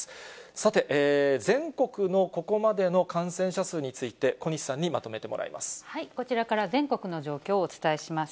さて、全国のここまでの感染者数について、こちらから全国の状況をお伝えします。